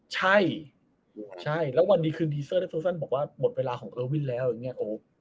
ใช่ใช่แล้ววันนี้คือเดนิสเออวินบอกว่าหมดเวลาของเออวินแล้วอย่างเงี้ย